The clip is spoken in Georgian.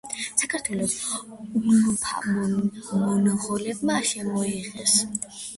საქართველოში ულუფა მონღოლებმა შემოიღეს.